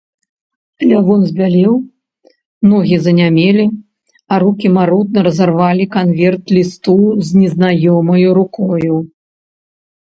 Лявон збялеў, ногі занямелі, а рукі марудна разарвалі канверт лісту з незнаёмаю рукою.